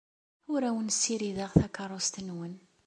Ur awen-ssirideɣ takeṛṛust-nwen.